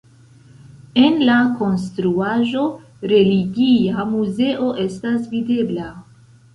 En la konstruaĵo religia muzo estas videbla.